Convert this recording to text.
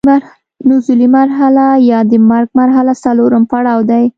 نزولي مرحله یا د مرګ مرحله څلورم پړاو دی.